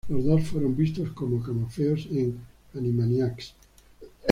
Los dos fueron vistos como camafeos en Animaniacs.